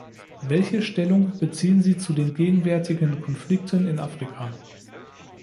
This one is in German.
Welche Stellung beziehen Sie zu den gegenwärtigen Konflikten in Afrika?